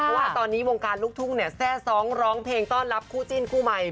เพราะว่าตอนนี้วงการลูกทุ่งเนี่ยแทร่ซ้องร้องเพลงต้อนรับคู่จิ้นคู่ใหม่